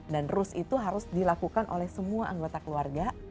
dan rules itu harus dilakukan oleh semua anggota keluarga